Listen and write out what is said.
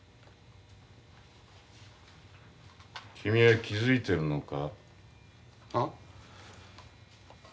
君は気付いてるのか？